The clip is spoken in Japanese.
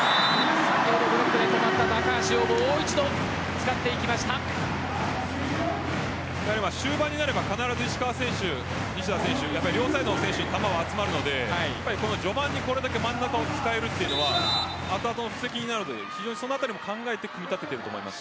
先ほど、ブロックで止められた高橋を終盤になれば必ず石川選手西田選手両サイドの選手に球が集まるので序盤にこれだけ真ん中を使えるのは後々の布石になるので非常にそのあたりも考えて組み立てていると思います。